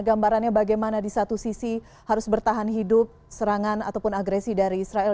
gambarannya bagaimana di satu sisi harus bertahan hidup serangan ataupun agresi dari israel